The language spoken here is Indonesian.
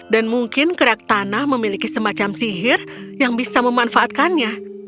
dan mungkin keraktanah memiliki semacam sihir yang bisa memanfaatkannya